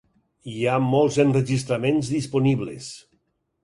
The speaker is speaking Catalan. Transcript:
Hi ha molts enregistraments disponibles.